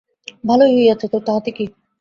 ভালোই হইয়াছে, তোর তাহাতে কী?